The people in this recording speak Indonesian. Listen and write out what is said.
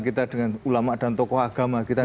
kita dengan ulama dan tokoh agama kita